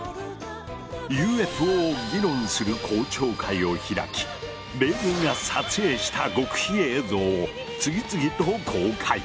ＵＦＯを議論する公聴会を開き米軍が撮影した極秘映像を次々と公開！